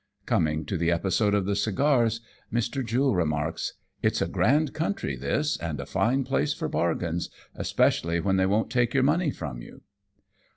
Coming to the episode of the cigars, Mr. Jule remarks, " It's a grand country this, and a fine place for bargains, especially when they won't take your money from you.''